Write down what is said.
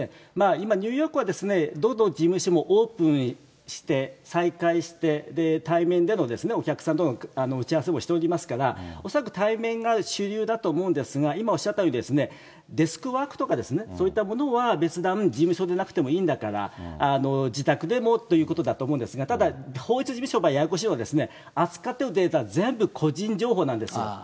今、ニューヨークはですね、どの事務所もオープンして、再開して、対面でのお客さんとの打ち合わせもしておりますから、恐らく対面が主流だと思うんですが、今おっしゃったように、デスクワークとかですね、そういったものは別段、事務所にいなくてもいいんだから、自宅でもということだと思うんですが、ただ、法律事務所がややこしいのは、扱ってるデータが全部個人情報なんですよ。